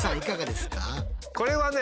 これはね